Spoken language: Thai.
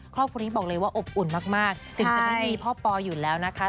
ครอบครัวนี้บอกเลยว่าอบอุ่นมากถึงจะไม่มีพ่อปออยู่แล้วนะคะ